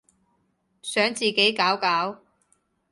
想自己搞搞